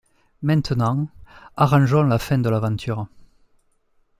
Maintenant, arrangeons la fin de l’aventure.